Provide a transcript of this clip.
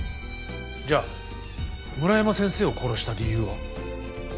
じゃあ村山先生を殺した理由は？